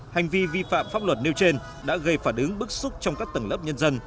hành vi vi phạm pháp luật nêu trên đã gây phản ứng bức xúc trong các tầng lớp nhân dân